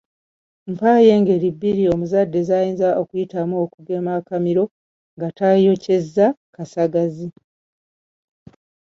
Mpaayo engeri bbiri omuzadde z'ayinza okuyitamu okugema akamiro nga tayokezza kasagazi.